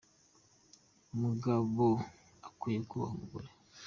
Umugabo akwiye kubaha umugore.